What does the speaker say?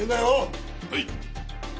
はい！